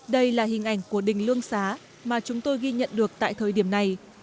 đây là hình ảnh của đình lương xá mà chúng tôi ghi nhận được tại thời điểm này